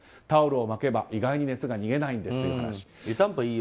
タオルを巻けば意外に熱が逃げないんですという話。